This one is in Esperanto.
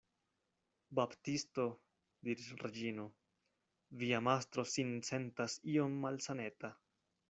Baptisto, diris Reĝino, via mastro sin sentas iom malsaneta.